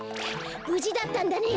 ぶじだったんだね！